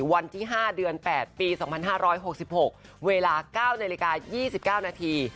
วันที่๕เดือน๘ปี๒๕๖๖เวลา๙นาฬิกา๒๙นาที